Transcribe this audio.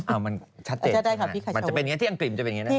เอามันชัดเจนมันจะเป็นอย่างนี้ที่อังกฤษมันจะเป็นอย่างนี้นะ